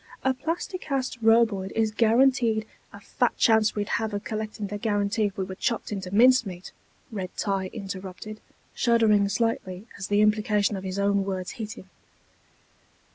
A Plasti Cast Roboid is guaranteed...." "A fat chance we'd have of collecting the guarantee if we were chopped into mincemeat," Red tie interrupted, shuddering slightly as the implication of his own words hit him.